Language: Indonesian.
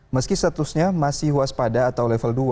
meski statusnya masih huas pada atau level dua